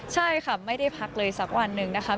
ใช่ค่ะไม่ได้พักเลยสักวันหนึ่งนะคะ